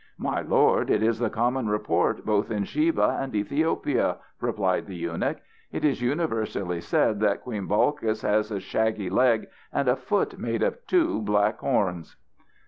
"My lord, it is the common report both in Sheba and Ethiopia," replied the eunuch. "It is universally said that Queen Balkis has a shaggy leg and a foot made of two black horns."